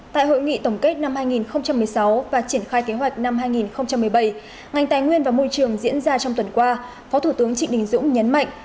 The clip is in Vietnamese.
tại hội nghị tổng kết năm hai nghìn một mươi sáu và triển khai kế hoạch năm hai nghìn một mươi bảy ngành tài nguyên và môi trường diễn ra trong tuần qua phó thủ tướng trịnh đình dũng nhấn mạnh